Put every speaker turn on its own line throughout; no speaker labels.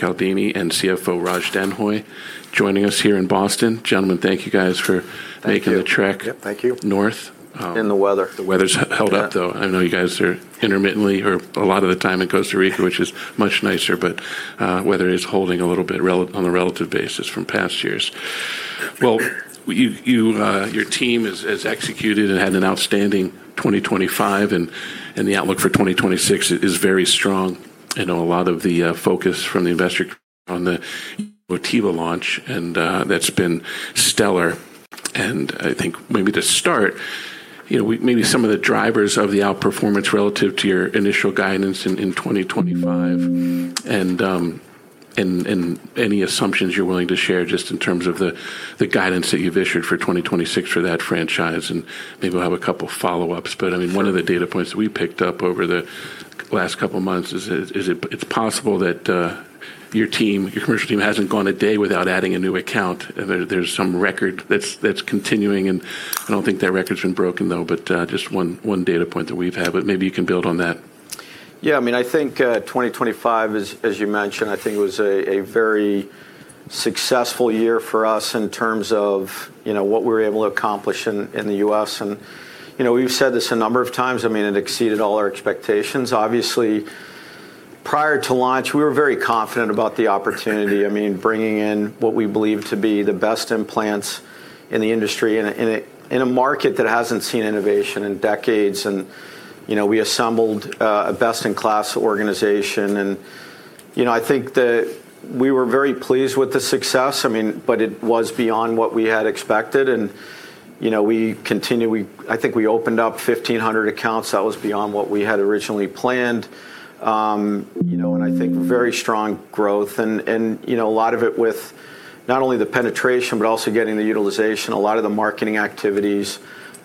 Caldini and CFO Raj Denhoy joining us here in Boston. Gentlemen, thank you guys for making the trek-
Thank you. Yep, thank you.
-north.
In the weather.
The weather's held up, though.
Yeah.
I know you guys are intermittently or a lot of the time in Costa Rica, which is much nicer, but weather is holding a little bit on a relative basis from past years. Well, you, your team has executed and had an outstanding 2025 and the outlook for 2026 is very strong. I know a lot of the focus from the investor on the Motiva launch and that's been stellar. I think maybe to start, you know, maybe some of the drivers of the outperformance relative to your initial guidance in 2025 and any assumptions you're willing to share just in terms of the guidance that you've issued for 2026 for that franchise, and maybe we'll have a couple follow-ups. I mean, one of the data points we picked up over the last couple months is, it's possible that, your team, your commercial team hasn't gone a day without adding a new account. There's some record that's continuing, and I don't think that record's been broken, though. just one data point that we've had, but maybe you can build on that.
Yeah, I mean, I think 2025 as you mentioned, I think it was a very successful year for us in terms of, you know, what we were able to accomplish in the U.S. You know, we've said this a number of times, I mean, it exceeded all our expectations. Obviously, prior to launch, we were very confident about the opportunity. I mean, bringing in what we believe to be the best implants in the industry in a, in a, in a market that hasn't seen innovation in decades. You know, we assembled a best-in-class organization and, you know, I think that we were very pleased with the success. I mean, but it was beyond what we had expected. You know, I think we opened up 1,500 accounts. That was beyond what we had originally planned. You know, I think very strong growth, you know, a lot of it with not only the penetration, but also getting the utilization, a lot of the marketing activities,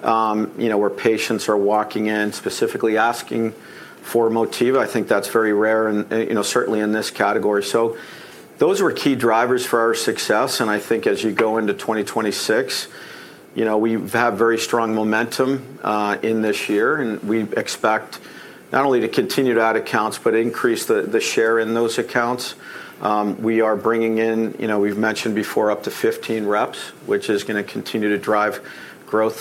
you know, where patients are walking in, specifically asking for Motiva. I think that's very rare, you know, certainly in this category. Those were key drivers for our success, and I think as you go into 2026, you know, we've had very strong momentum in this year, and we expect not only to continue to add accounts, but increase the share in those accounts. We are bringing in, you know, we've mentioned before, up to 15 reps, which is gonna continue to drive growth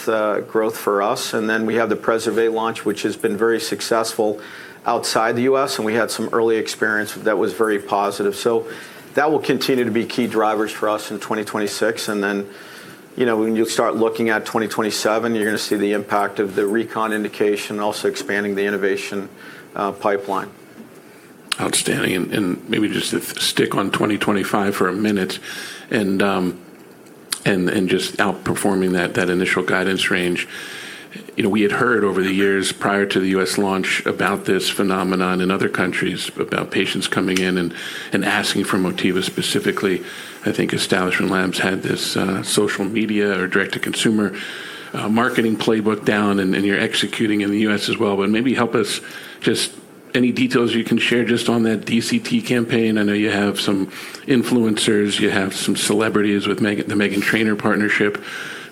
for us. We have the Preservé launch, which has been very successful outside the U.S., and we had some early experience that was very positive. That will continue to be key drivers for us in 2026. You know, when you start looking at 2027, you're gonna see the impact of the reconstruction indication, also expanding the innovation pipeline.
Outstanding. Maybe just stick on 2025 for a minute and just outperforming that initial guidance range. You know, we had heard over the years prior to the U.S. launch about this phenomenon in other countries about patients coming in and asking for Motiva specifically. I think Establishment Labs had this social media or direct-to-consumer marketing playbook down, and you're executing in the U.S. as well. Maybe help us just any details you can share just on that [DTC] campaign. I know you have some influencers. You have some celebrities with the Meghan Trainor partnership.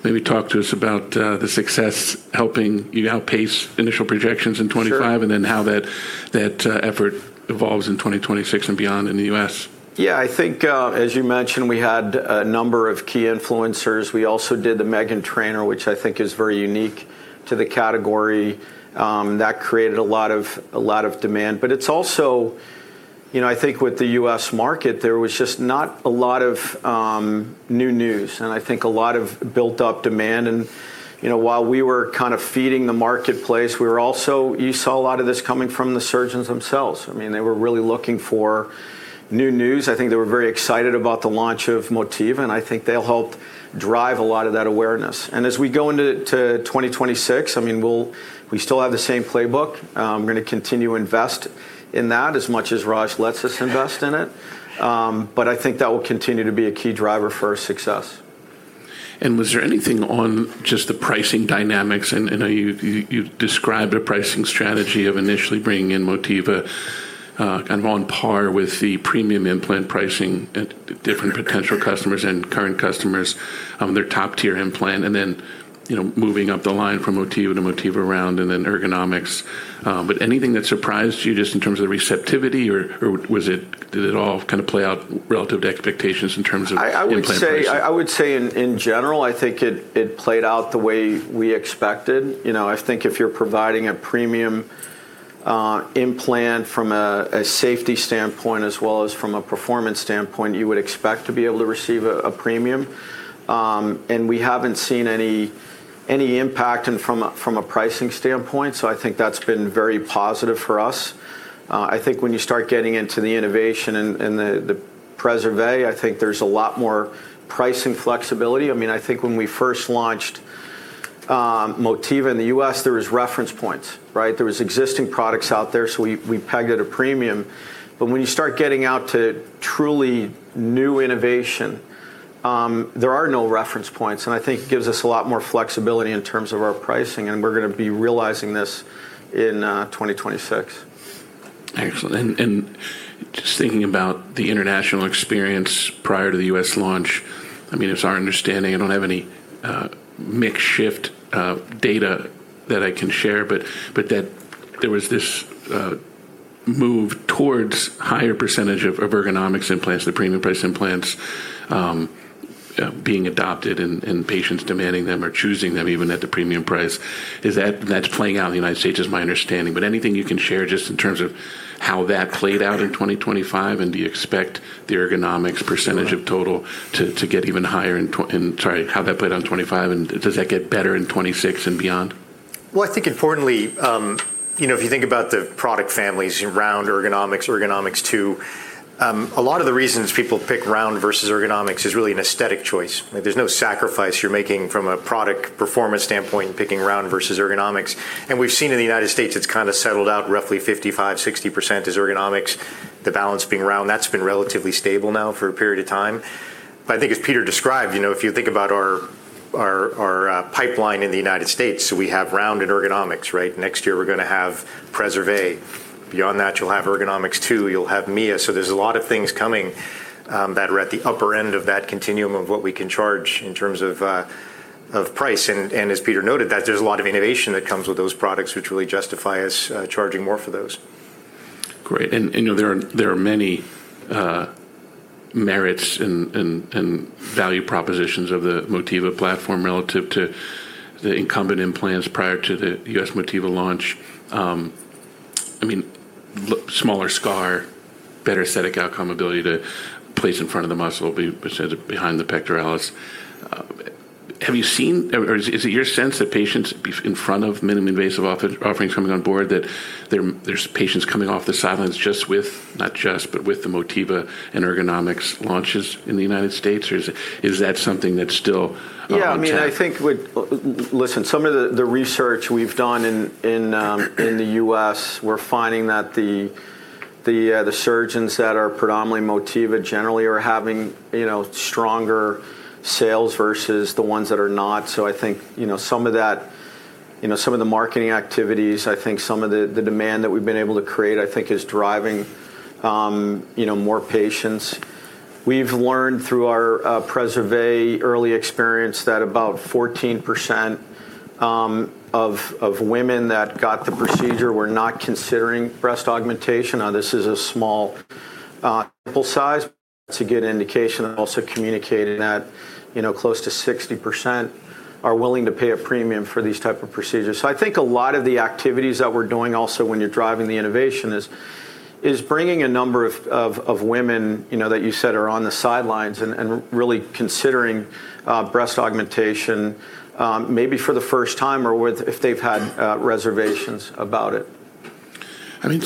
Maybe talk to us about the success helping you outpace initial projections in 2025-
Sure
...and then how that, effort evolves in 2026 and beyond in the U.S.
Yeah. I think, as you mentioned, we had a number of key influencers. We also did the Meghan Trainor, which I think is very unique to the category, that created a lot of demand. It's also, you know, I think with the U.S. market, there was just not a lot of new news, and I think a lot of built-up demand. You know, while we were kind of feeding the marketplace, we were also you saw a lot of this coming from the surgeons themselves. I mean, they were really looking for new news. I think they were very excited about the launch of Motiva, and I think they'll help drive a lot of that awareness. As we go into to 2026, I mean, we still have the same playbook. We're gonna continue to invest in that as much as Raj lets us invest in it. I think that will continue to be a key driver for our success.
Was there anything on just the pricing dynamics? You described a pricing strategy of initially bringing in Motiva, and on par with the premium implant pricing at different potential customers and current customers, their top-tier implant, and then, you know, moving up the line from Motiva to Motiva Round and then Ergonomix. Anything that surprised you just in terms of the receptivity or did it all kind of play out relative to expectations in terms of implant pricing?
I would say in general, I think it played out the way we expected. You know, I think if you're providing a premium implant from a safety standpoint as well as from a performance standpoint, you would expect to be able to receive a premium. We haven't seen any impact and from a pricing standpoint, so I think that's been very positive for us. I think when you start getting into the innovation and the Preservé, I think there's a lot more pricing flexibility. I mean, I think when we first launched Motiva in the U.S., there was reference points, right? There was existing products out there, so we pegged at a premium. When you start getting out to truly new innovation, there are no reference points, and I think it gives us a lot more flexibility in terms of our pricing, and we're gonna be realizing this in 2026.
Excellent. Just thinking about the international experience prior to the U.S. launch, I mean, it's our understanding. I don't have any makeshift data that I can share, but that there was this move towards higher percentage of Ergonomix implants, the premium price implants, being adopted and patients demanding them or choosing them even at the premium price. That's playing out in the United States is my understanding. Anything you can share just in terms of how that played out in 2025, and do you expect the Ergonomix percentage of total to get even higher in... Sorry, how'd that play out in 2025, and does that get better in 2026 and beyond?
Well, I think importantly, you know, if you think about the product families, Round, Ergonomix, Ergonomix2, a lot of the reasons people pick Round versus Ergonomix is really an aesthetic choice. There's no sacrifice you're making from a product performance standpoint in picking Round versus Ergonomix. We've seen in the United States, it's kind of settled out roughly 55%-60% is Ergonomix. The balance being Round. That's been relatively stable now for a period of time. I think as Peter described, you know, if you think about our pipeline in the United States, we have Round and Ergonomix, right? Next year, we're gonna have Preservé. Beyond that, you'll have Ergonomix2, you'll have Mia. There's a lot of things coming, that are at the upper end of that continuum of what we can charge in terms of price. As Peter noted, there's a lot of innovation that comes with those products which really justify us, charging more for those.
Great. You know, there are many merits and value propositions of the Motiva platform relative to the incumbent implants prior to the U.S. Motiva launch. I mean, smaller scar, better aesthetic outcome ability to place in front of the muscle behind the pectoralis. Have you seen or is it your sense that patients in front of minimally invasive offerings coming on board that there's patients coming off the sidelines just with, not just, but with the Motiva and Ergonomix launches in the United States, or is that something that's still on tap?
I mean, I think with listen, some of the research we've done in the U.S., we're finding that the surgeons that are predominantly Motiva generally are having, you know, stronger sales versus the ones that are not. I think, you know, some of that, you know, some of the marketing activities, I think some of the demand that we've been able to create, I think, is driving, you know, more patients. We've learned through our Preservé early experience that about 14%, of women that got the procedure were not considering breast augmentation. This is a small sample size, but that's a good indication. Communicated that, you know, close to 60% are willing to pay a premium for these type of procedures. I think a lot of the activities that we're doing also when you're driving the innovation is bringing a number of women, you know, that you said are on the sidelines and really considering breast augmentation, maybe for the first time or if they've had reservations about it.
I mean,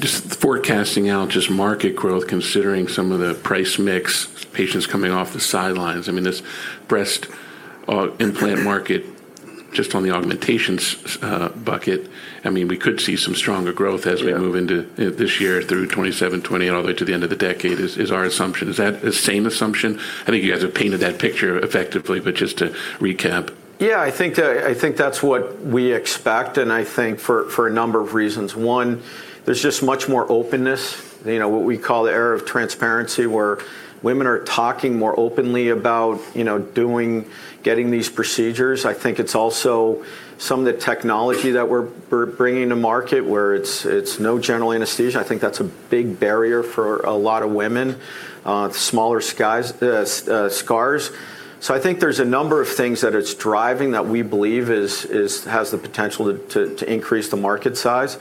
just forecasting out just market growth, considering some of the price mix, patients coming off the sidelines. I mean, this breast implant market just on the augmentations bucket, I mean, we could see some stronger growth...
Yeah
as we move into this year through 2027, all the way to the end of the decade is our assumption. Is that the same assumption? I think you guys have painted that picture effectively, but just to recap.
Yeah, I think, I think that's what we expect, and I think for a number of reasons. One, there's just much more openness, you know, what we call the era of transparency, where women are talking more openly about, you know, getting these procedures. I think it's also some of the technology that we're bringing to market where it's no general anesthesia. I think that's a big barrier for a lot of women. smaller scars. I think there's a number of things that it's driving that we believe has the potential to increase the market size.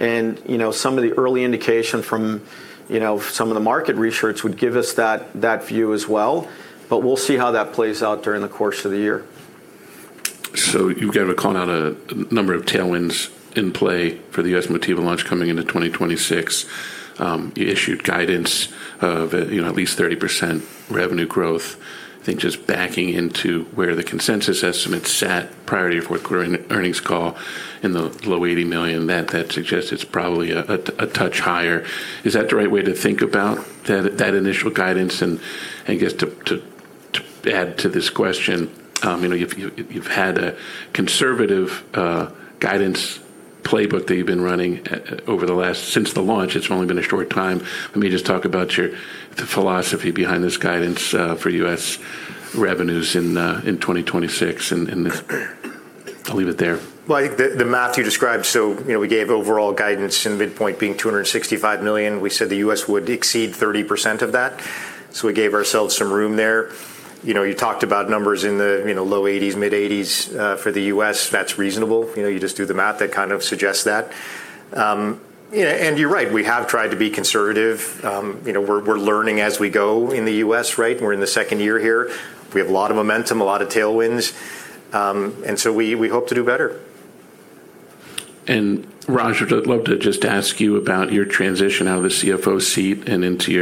Some of the early indication from, you know, some of the market research would give us that view as well. We'll see how that plays out during the course of the year.
You've kind of called out a number of tailwinds in play for the U.S. Motiva launch coming into 2026. You issued guidance of, you know, at least 30% revenue growth. I think just backing into where the consensus estimates sat prior to your fourth quarter earnings call in the low $80 million, that suggests it's probably a touch higher. Is that the right way to think about that initial guidance? I guess to add to this question, you know, you've had a conservative guidance playbook that you've been running since the launch. It's only been a short time. Let me just talk about the philosophy behind this guidance for U.S. revenues in 2026. I'll leave it there.
I think the math you described, you know, we gave overall guidance and midpoint being $265 million. We said the U.S. would exceed 30% of that. We gave ourselves some room there. You know, you talked about numbers in the, you know, low 80s, mid-80s, for the U.S. That's reasonable. You know, you just do the math, that kind of suggests that. You know, and you're right, we have tried to be conservative. You know, we're learning as we go in the U.S., right? We're in the second year here. We have a lot of momentum, a lot of tailwinds. We hope to do better.
Raj, I'd love to just ask you about your transition out of the CFO seat and into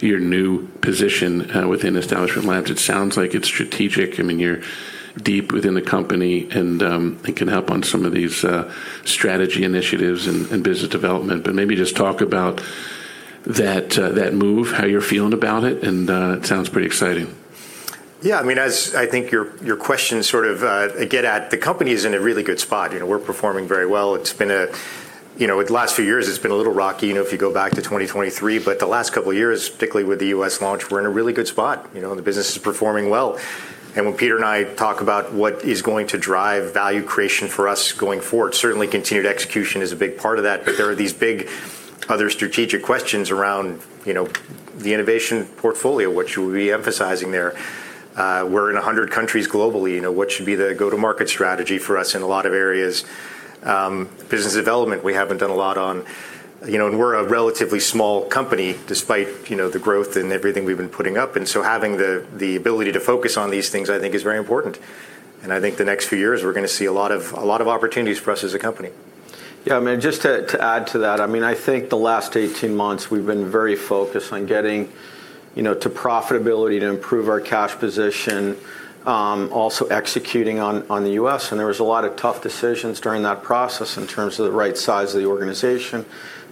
your new position, within Establishment Labs. It sounds like it's strategic. I mean, you're deep within the company and, it can help on some of these, strategy initiatives and business development. Maybe just talk about that move, how you're feeling about it, and, it sounds pretty exciting.
Yeah. I mean, as I think your question sort of get at, the company is in a really good spot. You know, we're performing very well. It's been a. You know, the last few years it's been a little rocky, you know, if you go back to 2023, but the last couple of years, particularly with the U.S. launch, we're in a really good spot, you know, the business is performing well. When Peter and I talk about what is going to drive value creation for us going forward, certainly continued execution is a big part of that. There are these big other strategic questions around, you know, the innovation portfolio, what should we be emphasizing there? We're in 100 countries globally. You know, what should be the go-to-market strategy for us in a lot of areas? Business development, we haven't done a lot on. You know, we're a relatively small company despite, you know, the growth and everything we've been putting up. Having the ability to focus on these things, I think is very important. I think the next few years we're gonna see a lot of opportunities for us as a company.
Yeah, I mean, just to add to that, I mean, I think the last 18 months we've been very focused on getting, you know, to profitability to improve our cash position, also executing on the U.S. and there was a lot of tough decisions during that process in terms of the right size of the organization,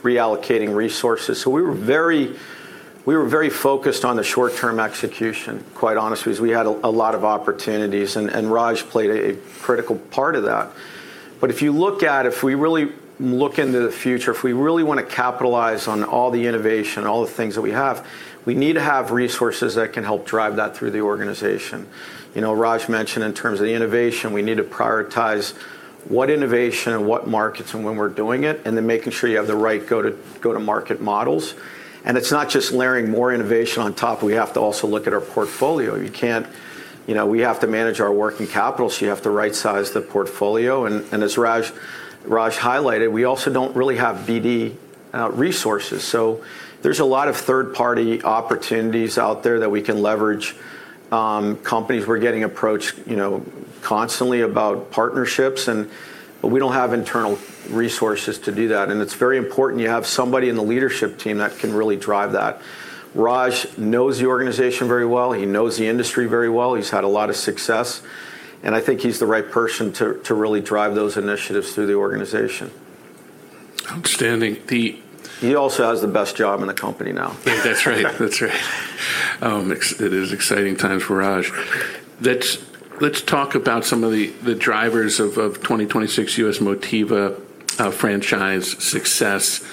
reallocating resources. We were very focused on the short-term execution, quite honestly, as we had a lot of opportunities, and Raj played a critical part of that. If you look at, if we really look into the future, if we really want to capitalize on all the innovation, all the things that we have, we need to have resources that can help drive that through the organization. You know, Raj mentioned in terms of the innovation, we need to prioritize what innovation and what markets and when we're doing it, and then making sure you have the right go-to-market models. It's not just layering more innovation on top. We have to also look at our portfolio. You know, we have to manage our working capital, so you have to rightsize the portfolio. As Raj highlighted, we also don't really have BD resources. There's a lot of third-party opportunities out there that we can leverage companies. We're getting approached, you know, constantly about partnerships, but we don't have internal resources to do that. It's very important you have somebody in the leadership team that can really drive that. Raj knows the organization very well. He knows the industry very well. He's had a lot of success, and I think he's the right person to really drive those initiatives through the organization.
Outstanding.
He also has the best job in the company now.
That's right. That's right. It is exciting times for Raj. Let's talk about some of the drivers of 2026 U.S. Motiva franchise success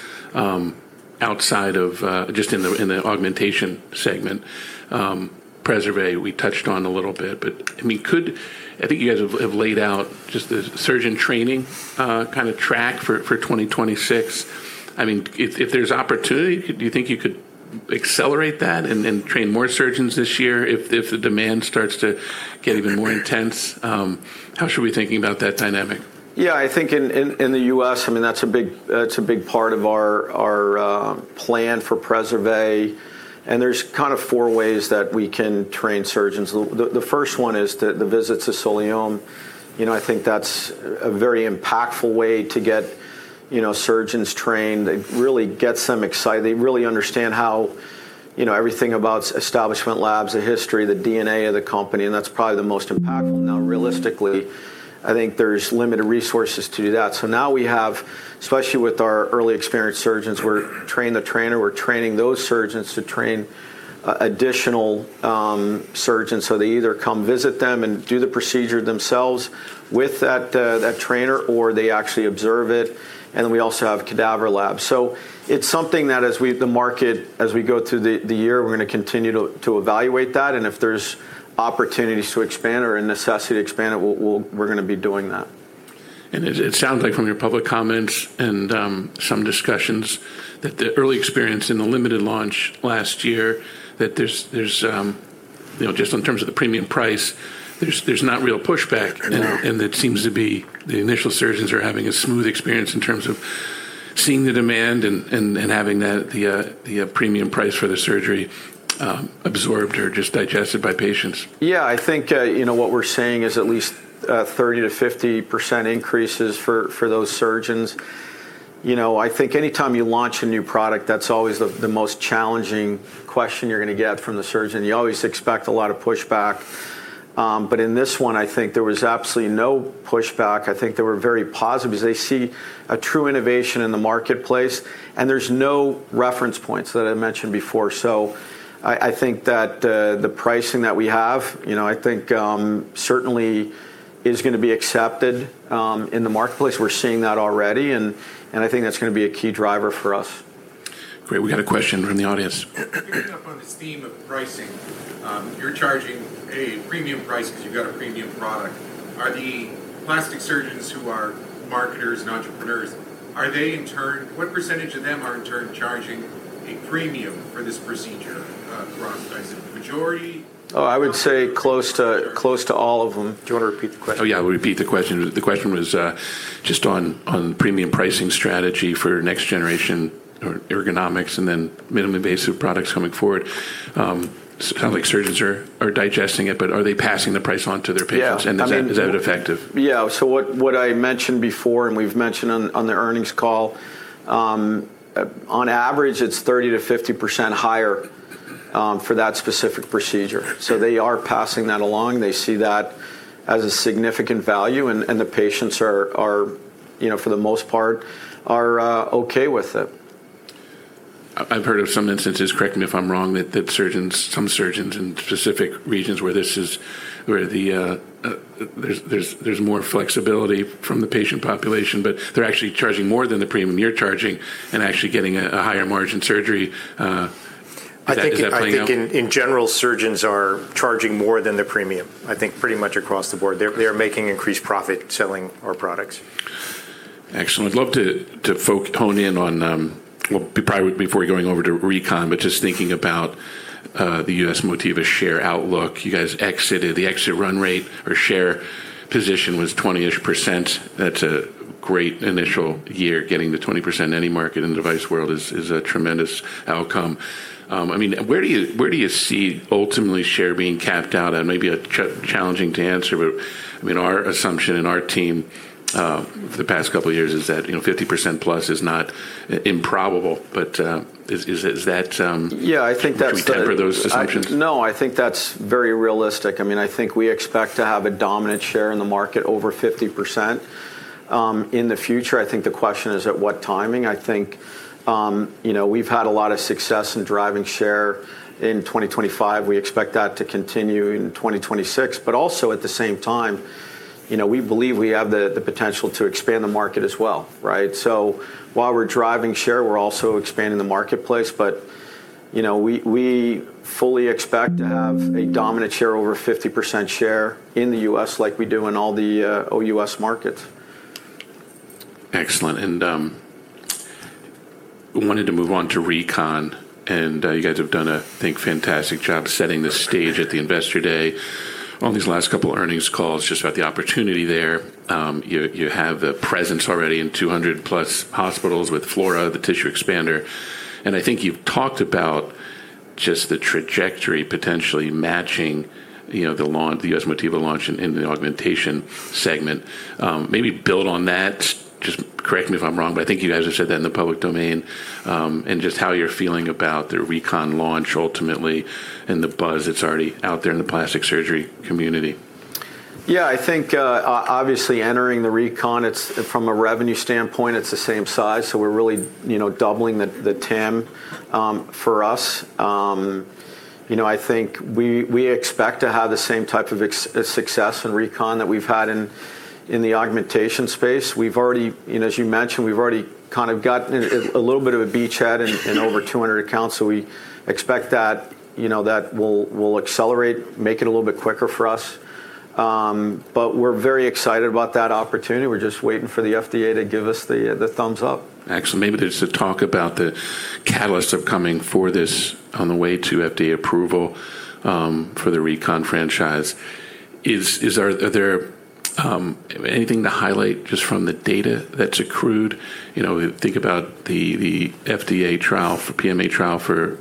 outside of just in the augmentation segment. Preservé we touched on a little bit, but I mean, I think you guys have laid out just the surgeon training kind of track for 2026. I mean, if there's opportunity, do you think you could accelerate that and then train more surgeons this year if the demand starts to get even more intense? How should we be thinking about that dynamic?
Yeah, I think in the U.S., I mean, that's a big part of our plan for Preservé. There's kind of four ways that we can train surgeons. The first one is the visits to Sulàyöm. You know, I think that's a very impactful way to get, you know, surgeons trained. It really gets them excited. They really understand how, you know, everything about Establishment Labs, the history, the DNA of the company, and that's probably the most impactful. Now, realistically, I think there's limited resources to do that. Now we have, especially with our early experienced surgeons, we're train the trainer. We're training those surgeons to train additional surgeons. They either come visit them and do the procedure themselves with that trainer, or they actually observe it. We also have cadaver labs. It's something that as we the market, as we go through the year, we're gonna continue to evaluate that, and if there's opportunities to expand or a necessity to expand it, we're gonna be doing that.
It sounds like from your public comments and some discussions that the early experience in the limited launch last year, that there's, you know, just in terms of the premium price, not real pushback.
No.
It seems to be the initial surgeons are having a smooth experience in terms of seeing the demand and having the premium price for the surgery, absorbed or just digested by patients.
I think, you know, what we're seeing is at least 30%-50% increases for those surgeons. You know, I think anytime you launch a new product, that's always the most challenging question you're gonna get from the surgeon. You always expect a lot of pushback. In this one, I think there was absolutely no pushback. I think they were very positive as they see a true innovation in the marketplace, and there's no reference points that I mentioned before. I think that the pricing that we have, you know, I think, certainly is gonna be accepted in the marketplace. We're seeing that already, and I think that's gonna be a key driver for us.
Great. We got a question from the audience.
Picking up on this theme of pricing, you're charging a premium price because you've got a premium product. Are the plastic surgeons who are marketers and entrepreneurs, what percentage of them are in turn charging a premium for this procedure, Raj? Is it the majority?
Oh, I would say close to all of them. Do you wanna repeat the question?
Oh, yeah. I'll repeat the question. The question was just on premium pricing strategy for next generation Ergonomix and then minimally invasive products coming forward. It sounds like surgeons are digesting it, but are they passing the price on to their patients?
Yeah. I mean.
is that effective?
Yeah. What I mentioned before, and we've mentioned on the earnings call, on average, it's 30%-50% higher for that specific procedure. They are passing that along. They see that as a significant value, and the patients are, you know, for the most part are okay with it.
I've heard of some instances, correct me if I'm wrong, that some surgeons in specific regions where there's more flexibility from the patient population, but they're actually charging more than the premium you're charging and actually getting a higher margin surgery.
I think-
Is that playing out?
I think in general, surgeons are charging more than the premium, I think pretty much across the board. They're making increased profit selling our products.
Excellent. I'd love to hone in on before going over to reconstruction, but just thinking about the U.S. Motiva share outlook. You guys exited the exit run rate or share position was 20%-ish. That's a great initial year. Getting to 20% any market in the device world is a tremendous outcome. I mean, where do you, where do you see ultimately share being capped out at? Maybe challenging to answer, but I mean, our assumption in our team for the past couple of years is that, you know, 50%+ is not improbable, but is that?
Yeah, I think that's.
Would you temper those assumptions?
No, I think that's very realistic. I mean, I think we expect to have a dominant share in the market over 50%. In the future, I think the question is at what timing. I think, you know, we've had a lot of success in driving share in 2025. We expect that to continue in 2026. Also at the same time, you know, we believe we have the potential to expand the market as well, right? While we're driving share, we're also expanding the marketplace. You know, we fully expect to have a dominant share, over 50% share in the U.S. like we do in all the OUS markets.
Excellent. wanted to move on to reconstruction. you guys have done a, I think, fantastic job setting the stage at the Investor Day. On these last couple earnings calls, just about the opportunity there, you have a presence already in 200+ hospitals with Flora, the tissue expander. I think you've talked about just the trajectory potentially matching, you know, the U.S. Motiva launch in the augmentation segment. maybe build on that. Just correct me if I'm wrong, but I think you guys have said that in the public domain, and just how you're feeling about the reconstruction launch ultimately and the buzz that's already out there in the plastic surgery community.
Yeah. I think, obviously entering the reconstruction, from a revenue standpoint, it's the same size, so we're really, you know, doubling the TAM, for us. You know, I think we expect to have the same type of success in reconstruction that we've had in the augmentation space. We've already, you know, as you mentioned, we've already kind of got a little bit of a beachhead in over 200 accounts, so we expect that, you know, that will accelerate, make it a little bit quicker for us. We're very excited about that opportunity. We're just waiting for the FDA to give us the thumbs up.
Excellent. Maybe there's the talk about the catalyst upcoming for this on the way to FDA approval for the reconstruction franchise. Are there anything to highlight just from the data that's accrued? You know, think about the FDA trial for PMA trial for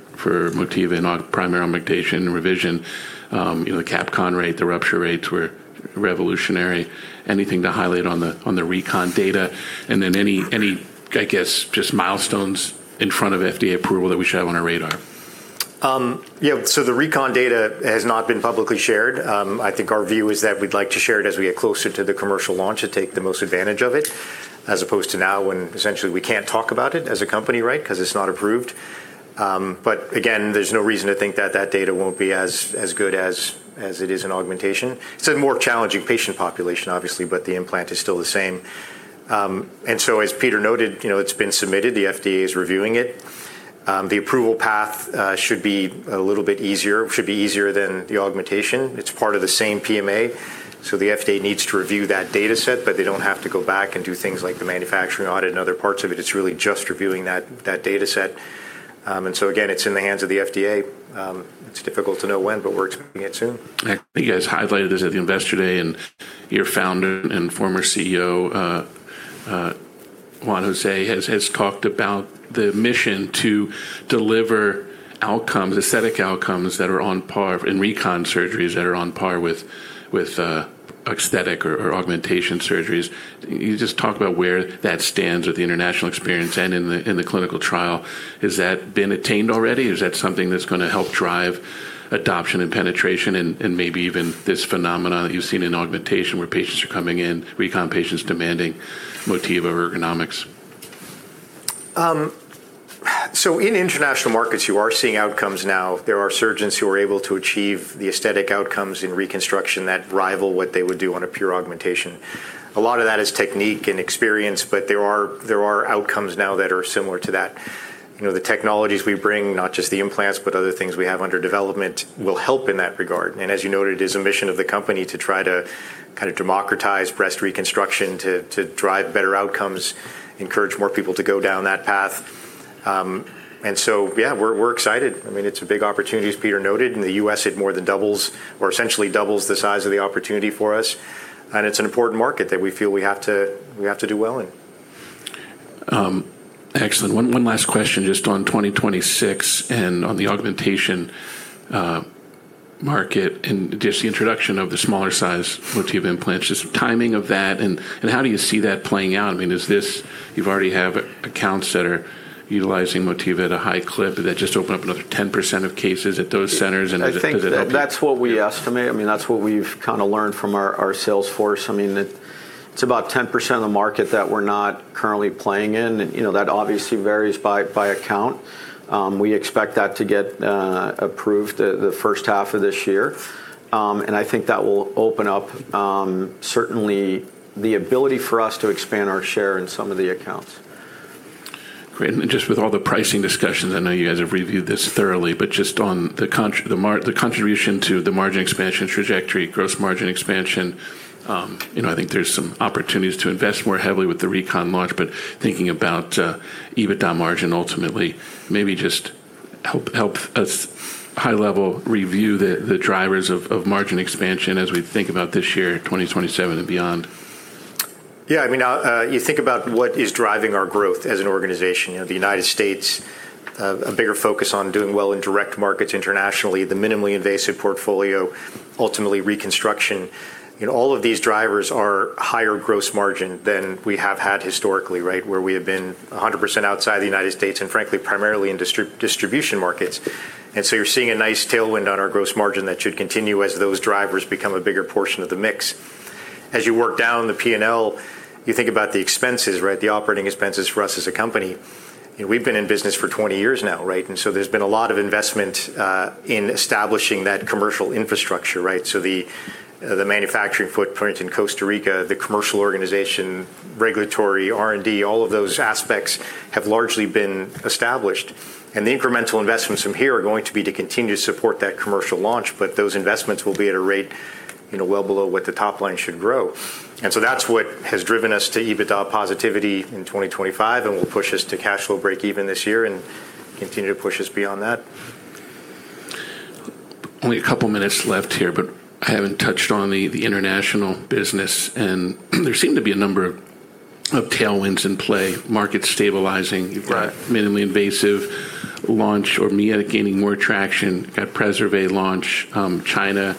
Motiva in primary augmentation revision. You know, the capsular contracture rate, the rupture rates were revolutionary. Anything to highlight on the reconstruction data? Any, any, I guess, just milestones in front of FDA approval that we should have on our radar?
Yeah. The reconstruction data has not been publicly shared. I think our view is that we'd like to share it as we get closer to the commercial launch to take the most advantage of it, as opposed to now when essentially we can't talk about it as a company, right? Because it's not approved. Again, there's no reason to think that that data won't be as good as it is in augmentation. It's a more challenging patient population, obviously, but the implant is still the same. As Peter noted, you know, it's been submitted. The FDA is reviewing it. The approval path should be a little bit easier. It should be easier than the augmentation. It's part of the same PMA. The FDA needs to review that data set, but they don't have to go back and do things like the manufacturing audit and other parts of it. It's really just reviewing that data set. Again, it's in the hands of the FDA. It's difficult to know when, but we're expecting it soon.
I think you guys highlighted this at the Investor Day, your Founder and former CEO, Juan José, has talked about the mission to deliver outcomes, aesthetic outcomes that are on par, in recon surgeries that are on par with aesthetic or augmentation surgeries. Can you just talk about where that stands with the international experience and in the clinical trial? Has that been attained already, or is that something that's gonna help drive adoption and penetration and maybe even this phenomenon that you've seen in augmentation where patients are coming in, recon patients demanding Motiva ergonomics?
In international markets, you are seeing outcomes now. There are surgeons who are able to achieve the aesthetic outcomes in reconstruction that rival what they would do on a pure augmentation. A lot of that is technique and experience, but there are outcomes now that are similar to that. You know, the technologies we bring, not just the implants, but other things we have under development, will help in that regard. As you noted, it is a mission of the company to try to kind of democratize breast reconstruction to drive better outcomes, encourage more people to go down that path. We're excited. I mean, it's a big opportunity, as Peter noted. In the U.S., it more than doubles or essentially doubles the size of the opportunity for us. It's an important market that we feel we have to do well in.
Excellent. One last question just on 2026 and on the augmentation market and just the introduction of the smaller size Motiva implants. Just timing of that and how do you see that playing out? I mean, You've already have accounts that are utilizing Motiva at a high clip. Does that just open up another 10% of cases at those centers, and does it help you-
I think that that's what we estimate. I mean, that's what we've kinda learned from our sales force. I mean, it's about 10% of the market that we're not currently playing in. You know, that obviously varies by account. We expect that to get approved the first half of this year. I think that will open up certainly the ability for us to expand our share in some of the accounts.
Great. Just with all the pricing discussions, I know you guys have reviewed this thoroughly, but just on the contribution to the margin expansion trajectory, gross margin expansion, you know, I think there's some opportunities to invest more heavily with the reconstruction launch, but thinking about EBITDA margin ultimately, maybe just help us high level review the drivers of margin expansion as we think about this year, 2027 and beyond.
Yeah, I mean, now, you think about what is driving our growth as an organization. You know, the United States, a bigger focus on doing well in direct markets internationally, the minimally invasive portfolio, ultimately reconstruction. You know, all of these drivers are higher gross margin than we have had historically, right? Where we have been 100% outside the United States and frankly, primarily in distribution markets. You're seeing a nice tailwind on our gross margin that should continue as those drivers become a bigger portion of the mix. As you work down the P&L, you think about the expenses, right? The operating expenses for us as a company. You know, we've been in business for 20 years now, right? There's been a lot of investment in establishing that commercial infrastructure, right? The manufacturing footprint in Costa Rica, the commercial organization, regulatory, R&D, all of those aspects have largely been established. The incremental investments from here are going to be to continue to support that commercial launch, but those investments will be at a rate, you know, well below what the top line should grow. That's what has driven us to EBITDA positivity in 2025 and will push us to cash flow break even this year and continue to push us beyond that.
Only a couple minutes left here. I haven't touched on the international business. There seem to be a number of tailwinds in play, market stabilizing.
Right.
You've got minimally invasive launch or Mia gaining more traction. Got Preservé launch, China,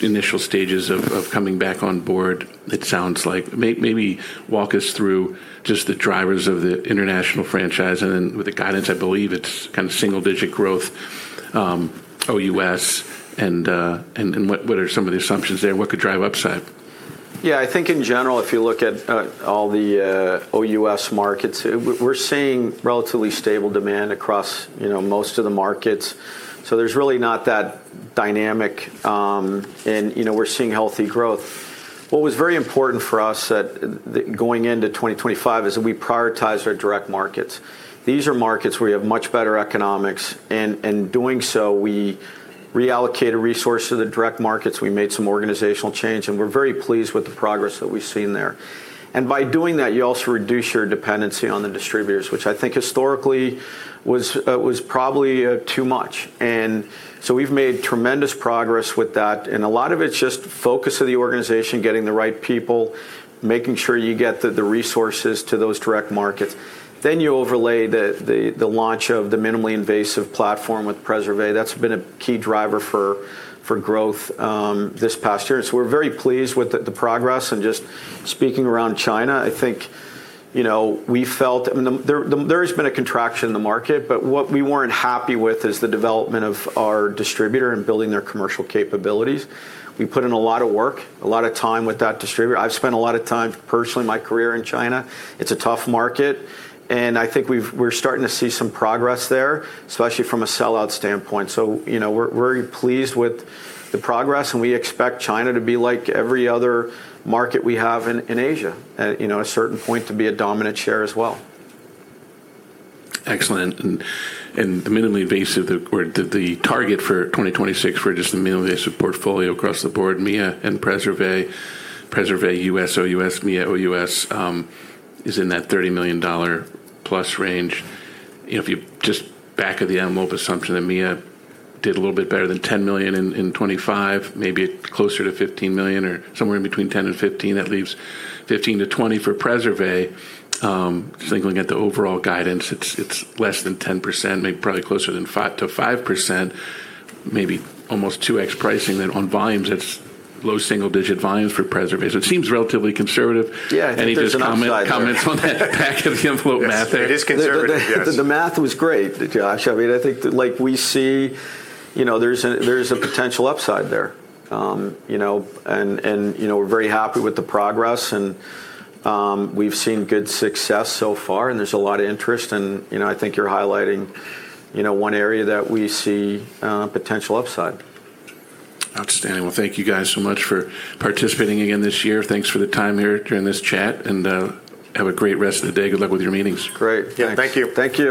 initial stages of coming back on board, it sounds like. Maybe walk us through just the drivers of the international franchise and then with the guidance, I believe it's kind of single-digit growth, OUS and what are some of the assumptions there? What could drive upside?
I think in general, if you look at all the OUS markets, we're seeing relatively stable demand across, you know, most of the markets. There's really not that dynamic, and, you know, we're seeing healthy growth. What was very important for us going into 2025 is that we prioritize our direct markets. These are markets where we have much better economics, and doing so, we reallocated resource to the direct markets. We made some organizational change, and we're very pleased with the progress that we've seen there. By doing that, you also reduce your dependency on the distributors, which I think historically was probably too much. We've made tremendous progress with that, and a lot of it's just focus of the organization, getting the right people, making sure you get the resources to those direct markets. You overlay the launch of the minimally invasive platform with Preservé. That's been a key driver for growth this past year. We're very pleased with the progress and just speaking around China, I think, you know, we felt I mean, there has been a contraction in the market, but what we weren't happy with is the development of our distributor and building their commercial capabilities. We put in a lot of work, a lot of time with that distributor. I've spent a lot of time personally, my career in China. It's a tough market, and I think we're starting to see some progress there, especially from a sell-out standpoint. You know, we're pleased with the progress, and we expect China to be like every other market we have in Asia. You know, a certain point to be a dominant share as well.
Excellent. The minimally invasive or the target for 2026 for just the minimally invasive portfolio across the board, Mia and Preservé U.S., OUS, Mia OUS, is in that $30 million plus range. You know, if you just back of the envelope assumption that Mia did a little bit better than $10 million in 2025, maybe closer to $15 million or somewhere in between $10 million and $15 million, that leaves $15 million-$20 million for Preservé. Just looking at the overall guidance, it's less than 10%, maybe probably closer than 5%, maybe almost 2x pricing then on volumes, it's low single digit volumes for Preservé. It seems relatively conservative.
Yeah. I think there's an upside there.
Any just comment, comments on that back of the envelope math there?
It is conservative. Yes. The math was great, Josh. I mean, I think that like we see, you know, there's a, there is a potential upside there. You know, and, you know, we're very happy with the progress and, we've seen good success so far, and there's a lot of interest and, you know, I think you're highlighting, you know, one area that we see, potential upside.
Outstanding. Well, thank you guys so much for participating again this year. Thanks for the time here during this chat and have a great rest of the day. Good luck with your meetings.
Great. Yeah. Thank you. Thank you.